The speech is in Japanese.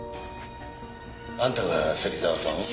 あんたが芹沢さんを？